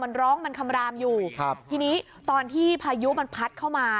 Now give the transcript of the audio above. มันร้องมันคำรามอยู่ครับทีนี้ตอนที่พายุมันพัดเข้ามา